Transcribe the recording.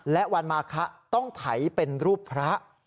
และวันมาคะต้องไถเป็นรูปพระ